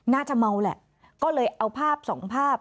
น่าจะเมาแหละก็เลยเอาภาพสองภาพ